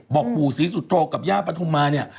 บอกปุ๋สีสุทธกับยาปัธมาเนี่ย